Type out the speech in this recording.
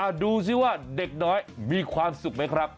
ดูสิว่าเด็กน้อยมีความสุขไหมครับ